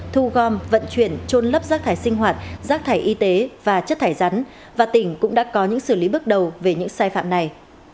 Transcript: thu gom vận chuyển trôn lấp rác thải sinh hoạt rác thải y tế và chất thải rắn và tỉnh cũng đã có những xử lý bước đầu về những sai phạm này